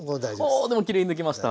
おでもきれいに抜けました。